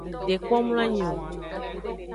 De kpo mloanyi o.